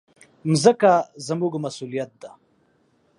مځکه زموږ مسؤلیت ده.